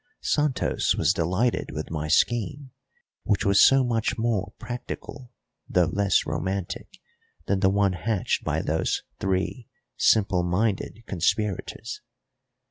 Santos was delighted with my scheme, which was so much more practical, though less romantic, than the one hatched by those three simple minded conspirators.